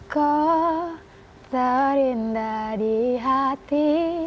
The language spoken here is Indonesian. kau terindah di hati